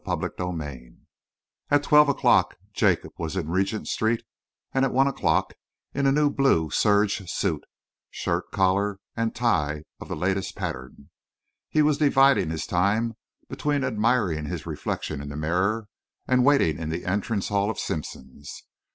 CHAPTER III At twelve o'clock, Jacob was in Regent Street, and at one o'clock, in a new blue serge suit, shirt, collar and tie of the latest pattern, he was dividing his time between admiring his reflection in the mirror and waiting in the entrance hall of Simpson's.